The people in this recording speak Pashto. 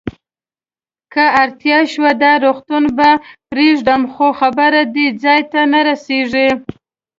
که اړتیا شوه، دا روغتون به پرېږدم، خو خبره دې ځای ته نه رسېږي.